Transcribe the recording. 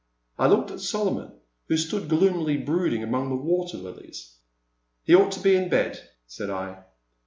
I looked at Solomon, who stood gloomily brood ing among the water lilies. He ought to be in bed," said I.